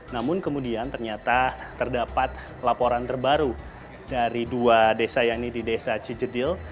namun kemudian ternyata terdapat laporan terbaru dari dua desa yaitu di desa cijedil